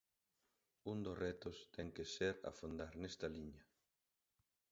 Un dos retos ten que ser afondar nesta liña.